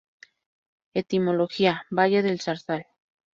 Etimología: Valle del zarzal.